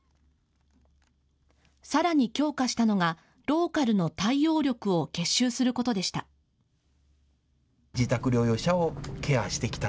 さらに強化したのがローカルの対応力を結集することでした。